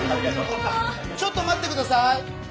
ちょっと待って下さい！